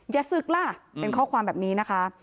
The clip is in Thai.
อย่าศึกล่ะเป็นข้อความแบบนี้นะคะ